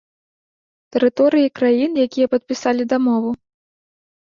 Тэрыторыі краін, якія падпісалі дамову.